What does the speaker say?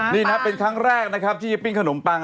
มีอะไรบ้างครับมีขนมปัง